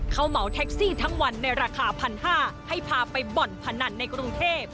เขาเหมาแท็กซี่ทั้งวันในราคา๑๕๐๐บาทให้พาไปบ่อนพนันในกรุงเทพ